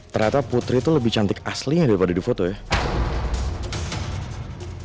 ternyata putri itu lebih cantik aslinya daripada di foto ya